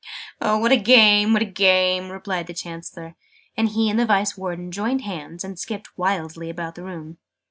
"What a game, oh, what a game!" cried the Chancellor. And he and the Vice Warden joined hands, and skipped wildly about the room.